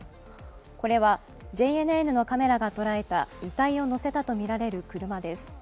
これはＪＮＮのカメラがとらえた遺体をのせたとみられる車です。